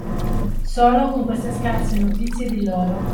Solo con queste scarse notizie di loro.